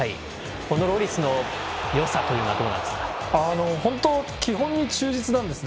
このロリスのよさというのはどんなところですか？